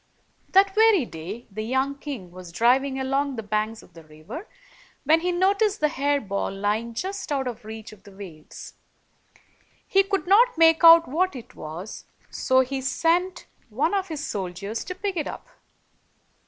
That very day, the young king was driving along the banks of the river, when he noticed the hair ball lying just out of reach of the waves. He could not make out what it was, so he sent one of his soldiers to pick it up.